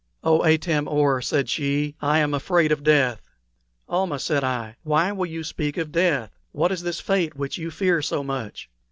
"Oh, Atam or," said she, "I am afraid of death!" "Almah," said I, "why will you speak of death? What is this fate which you fear so much?"